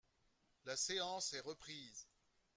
La séance est reprise.